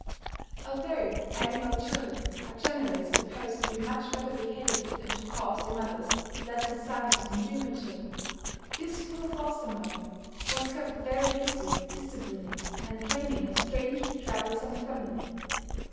Although animal children are generally supposed to be much better behaved and to cause their mothers less anxiety than human children, this poor foster mother was kept very busy disciplining and training her strangely troublesome family.